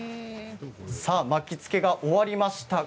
巻きつけが終わりました。